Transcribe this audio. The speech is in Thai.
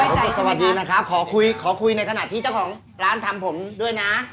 ผมก็สวัสดีนะครับขอคุยในขณะที่เจ้าของร้านทำผมด้วยนะ